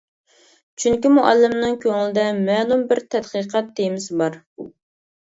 چۈنكى مۇئەللىمنىڭ كۆڭلىدە مەلۇم بىر تەتقىقات تېمىسى بار.